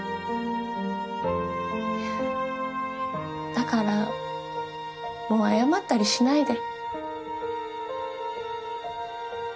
だからもう謝ったりしないで。